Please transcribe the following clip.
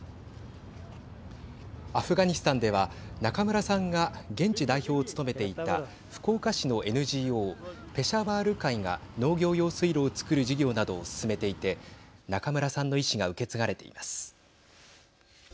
アフガニスタンでは中村さんが現地代表を務めていた福岡市のＮＧＯペシャワール会が農業用水路を造る事業などを進めていて中村さんの遺志が受け継がれています。